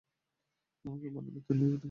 আমাকে বনের ভেতর নিয়ে যেতে পারবে?